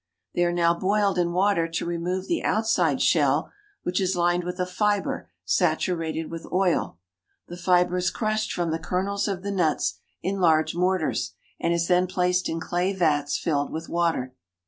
They are now boiled in water to remove the outside shell, which is lined with a fiber saturated with oil. The fiber is crushed from the kernels of the nuts in large mortars, and is then placed in clay vats filled with water.